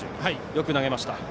よく投げました。